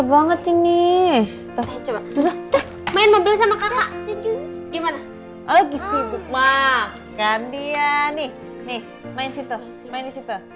main di situ